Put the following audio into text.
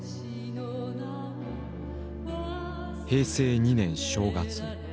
平成２年正月。